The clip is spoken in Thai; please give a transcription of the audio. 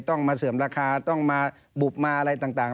ต้องมาเสื่อมราคาต้องมาบุบมาอะไรต่าง